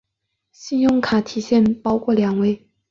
信用卡提现包括两类。